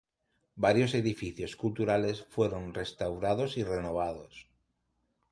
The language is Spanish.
Varios edificios culturales fueron restaurados y renovados.